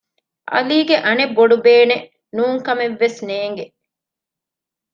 ޢަލީގެ އަނެއް ބޮޑުބޭނެ ނޫންކަމެއް ވެސް ނޭނގެ